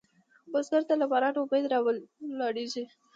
بزګر ته له بارانه امید راولاړېږي